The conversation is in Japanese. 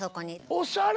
おしゃれ！